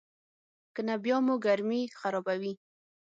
کنه بیا مو ګرمي خرابوي.